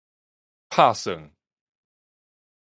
拍算